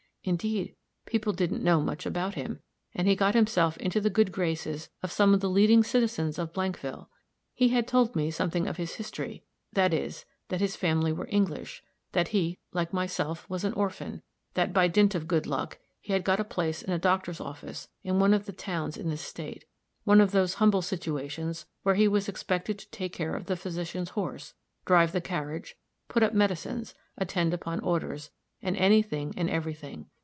Indeed, people didn't know much about him; and he got himself into the good graces of some of the leading citizens of Blankville. He had told me something of his history; that is, that his family were English; that he, like myself, was an orphan; that, by dint of good luck, he had got a place in a doctor's office in one of the towns in this State one of those humble situations where he was expected to take care of the physician's horse, drive the carriage, put up medicines, attend upon orders, and any thing and every thing.